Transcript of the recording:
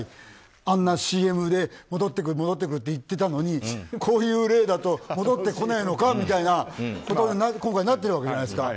あんなにＣＭで戻ってくる、戻ってくるって言ってたのにこういう例だと戻ってこないのかみたいなことに今回なってるわけじゃないですか。